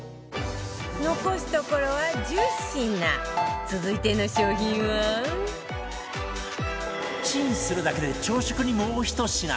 残すところは１０品続いての商品はチンするだけで朝食に、もうひと品！